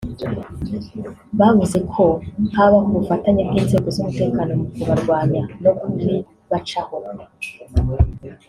bavuze ko habaho ubufatanye bw’inzego z’umutekano mu kubarwanya no kubibacaho